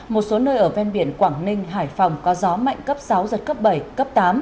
một số nơi ở ven biển quảng ninh hải phòng có gió mạnh cấp sáu giật cấp bảy cấp tám